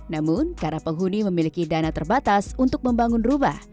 namun karena penghuni memiliki dana terbatas untuk membangun rumah